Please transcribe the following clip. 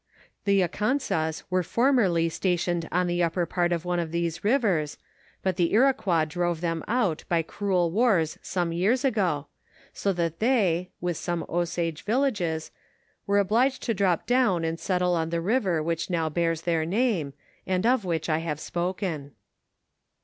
The Akansas were formerly stationed on the upper part of one of these rivers, but the Iroquois drove them out by cruel ware some years ago, so that they, with some Osage villages, were obliged to drop down and settle on the river which now beare their name, and of which I have spoken.